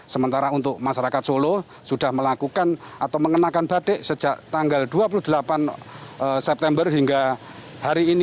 sementara untuk masyarakat solo sudah melakukan atau mengenakan batik sejak tanggal dua puluh delapan september hingga hari ini